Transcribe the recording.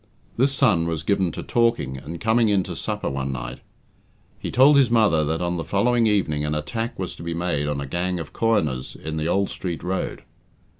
This son was given to talking, and, coming in to supper one night, he told his mother that on the following evening an attack was to be made on a gang of coiners in the Old Street Road.